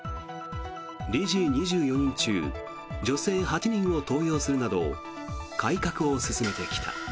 理事２４人中女性８人を登用するなど改革を進めてきた。